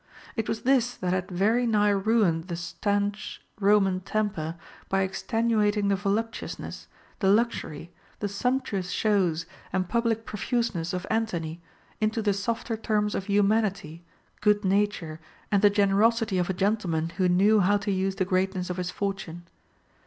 It was this that had very nigh ruined the stanch Roman temper, by extenuating the voluptuousness, the luxury, the sumptuous shows, and public profuseuess of Antony, into the softer terms of humanity, good nature, and the generosity of a gentleman who knew how to use the greatness of his fortune.